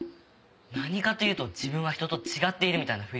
何かというと自分は人と違っているみたいなフリして。